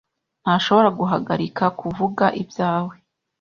ntashobora guhagarika kuvuga ibyawe.